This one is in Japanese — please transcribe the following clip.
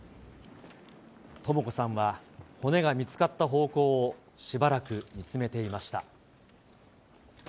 とも子さんは、骨が見つかった方向をしばらく見つめていました。